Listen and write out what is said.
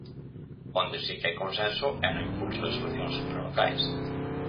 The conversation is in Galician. Onde si que hai consenso é no impulso de solucións supralocais.